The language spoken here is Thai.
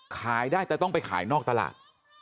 ขายได้แต่ต้องไปขายนอกตลาด